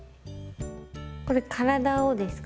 これ体をですか。